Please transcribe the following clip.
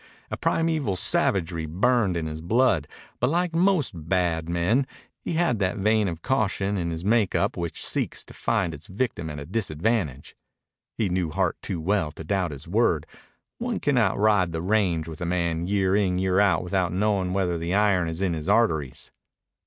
A primeval savagery burned in his blood, but like most "bad" men he had that vein of caution in his make up which seeks to find its victim at disadvantage. He knew Hart too well to doubt his word. One cannot ride the range with a man year in, year out, without knowing whether the iron is in his arteries.